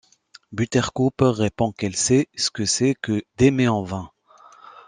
Buttercup répond qu'elle sait ce que c'est que d'aimer en vain.